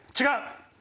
違う。